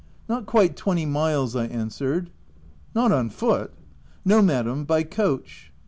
" Not quite twenty miles," I answered. "Not on foot!" " No, Madam, by coach."